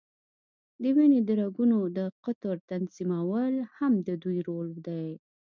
د وینې د رګونو د قطر تنظیمول هم د دوی رول دی.